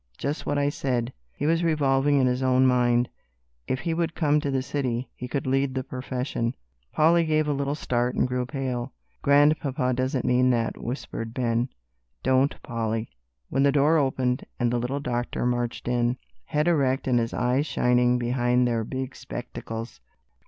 "Just what I said," he was revolving in his own mind; "if he would come to the city, he could lead the profession." Polly gave a little start and grew pale. "Grandpapa doesn't mean that," whispered Ben; "don't, Polly," when the door opened and the little doctor marched in, head erect and his eyes shining behind their big spectacles.